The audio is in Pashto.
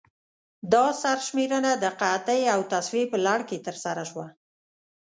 دا سرشمېرنه د قحطۍ او تصفیې په لړ کې ترسره شوه.